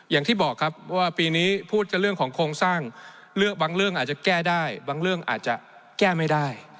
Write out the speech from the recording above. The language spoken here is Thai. อย่างที่บอกครับว่าปีนี้พูดกันเรื่องของโครงสร้างบางเรื่องอาจจะแก้ได้บางเรื่องอาจจะแก้ไม่ได้